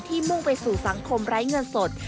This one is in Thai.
มุ่งไปสู่สังคมไร้เงินสด